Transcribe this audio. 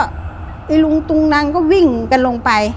ไอ้ลุงตุงนังก็วิ่งกันลงไป